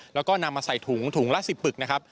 แล้วก็นำมาใส่ถุงถุงละ๑๐ปึกนะครับ